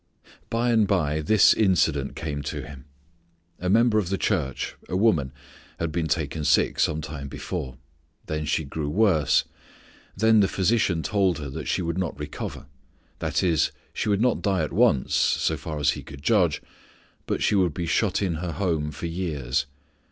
By and by this incident came to him. A member of the church, a woman, had been taken sick some time before. Then she grew worse. Then the physician told her that she would not recover. That is, she would not die at once, so far as he could judge, but she would be shut in her home for years.